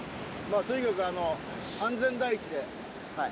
あとにかくあの安全第一ではい